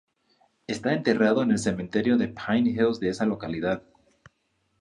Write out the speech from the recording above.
Está enterrado en el Cementerio de Pine Hills de esa localidad.